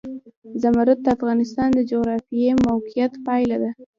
زمرد د افغانستان د جغرافیایي موقیعت پایله ده.